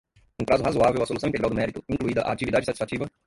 em prazo razoável a solução integral do mérito, incluída a atividade satisfativa